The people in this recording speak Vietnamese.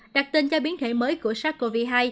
đặt tên cho biến thể mới của sars cov hai